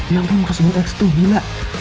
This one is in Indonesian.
yang kumusik x itu gila